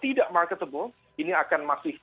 tidak marketable ini akan masih